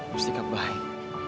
terus tiga baik